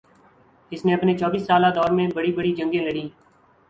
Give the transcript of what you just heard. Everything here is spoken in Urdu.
اس نے اپنے چوبیس سالہ دور میں بڑی بڑی جنگیں لڑیں